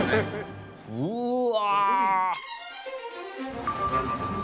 うわ！